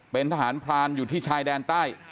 เป็นทหารพรานอยู่ที่ชายแดนใต้